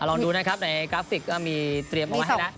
เอาลองดูนะครับในกราฟิกมีเตรียมเอาไว้ให้นะ